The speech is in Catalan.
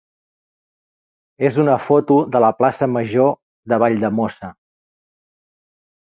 és una foto de la plaça major de Valldemossa.